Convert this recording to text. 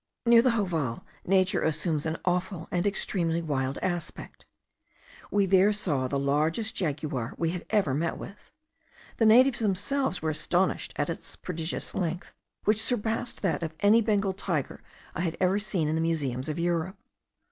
Near the Joval nature assumes an awful and extremely wild aspect. We there saw the largest jaguar we had ever met with. The natives themselves were astonished at its prodigious length, which surpassed that of any Bengal tiger I had ever seen in the museums of Europe.